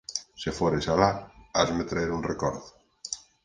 Se fores alá, hasme traer un recordo